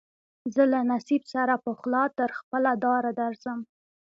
زه له نصیب سره پخلا تر خپله داره درځم